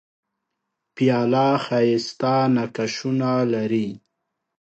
پیاله ښايسته نقشونه لري.